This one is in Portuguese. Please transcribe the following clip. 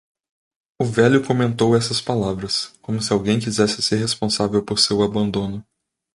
O velho comentou essas palavras, como se alguém quisesse ser responsável por seu abandono.